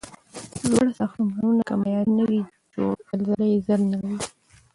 لوړ ساختمونه که معیاري نه وي جوړ، زلزله یې زر نړوي.